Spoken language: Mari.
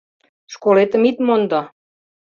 Школетым ит мондо!